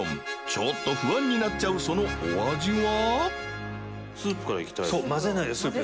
ちょっと不安になっちゃうそのお味は？